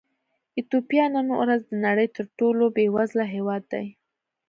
ایتوپیا نن ورځ د نړۍ تر ټولو بېوزله هېواد دی.